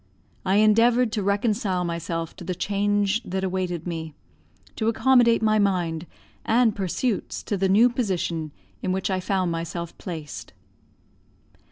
I endeavoured to reconcile myself to the change that awaited me, to accommodate my mind and pursuits to the new position in which I found myself placed.